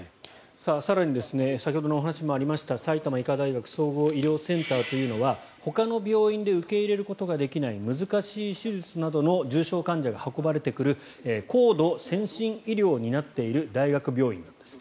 更に先ほどのお話にもありました埼玉医科大学総合医療センターというのはほかの病院で受け入れることができない難しい手術などの重症患者が運ばれてくる高度先進医療を担っている大学病院なんです。